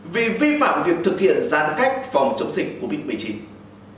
vì vi phạm việc thực hiện giãn cách phòng chống dịch covid một mươi chín